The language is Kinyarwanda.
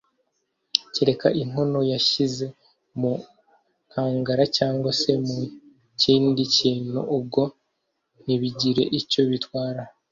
kereka inkono bashyize mu nkangara cyangwa se mu kindi kintu, ubwo ntibigire icyo bitwara